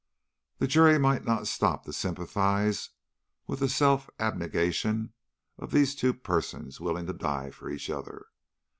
The jury might not stop to sympathize with the self abnegation of these two persons willing to die for each other.